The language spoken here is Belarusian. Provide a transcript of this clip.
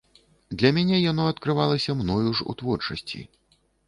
Для мяне яно адкрывалася мною ж у творчасці.